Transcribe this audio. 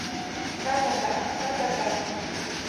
Та-та-та, та-та-та!..